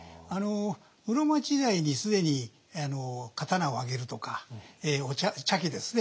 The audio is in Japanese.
室町時代に既に刀をあげるとかお茶茶器ですね